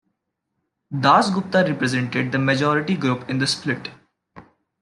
Dasgupta represented the majority group in the split.